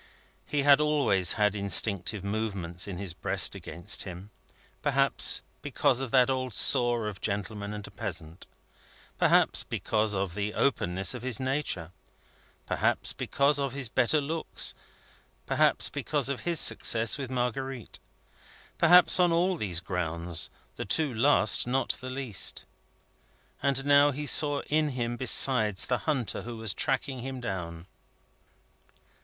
He had always had instinctive movements in his breast against him; perhaps, because of that old sore of gentleman and peasant; perhaps, because of the openness of his nature, perhaps, because of his better looks; perhaps, because of his success with Marguerite; perhaps, on all those grounds, the two last not the least. And now he saw in him, besides, the hunter who was tracking him down.